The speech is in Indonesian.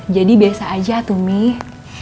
jadi biasa aja tuh mih